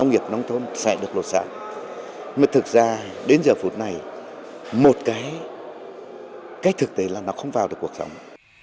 thực mà thực ra đến giờ phút này một cái thực tế là nó không vào được cuộc sống